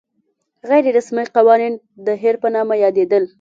غیر رسمي قوانین د هیر په نامه یادېدل.